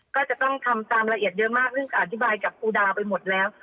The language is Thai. ก็จะต้องทำตามละเอียดเยอะมากซึ่งอธิบายกับครูดาไปหมดแล้ว